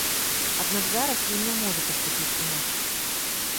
Аднак зараз ён не можа паступіць інакш.